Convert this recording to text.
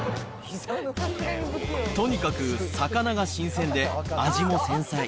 とにかく魚が新鮮で、味も繊細。